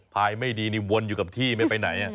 ภายไม่ดีนี่วนอยู่กับที่ไม่ไปไหน